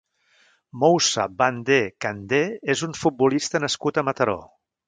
Moussa Bandeh Kandeh és un futbolista nascut a Mataró.